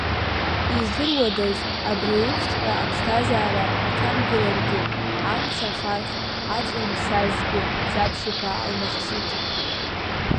Издыруадаз абри еиԥшҵәҟьа аԥсҭазаара иҭамгыларгьы, амца афархь аҵаимԥсазҭгьы Ӡаԥшь-иԥа Алмахсиҭ.